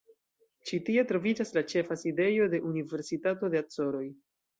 Ĉi tie troviĝas la ĉefa sidejo de Universitato de Acoroj.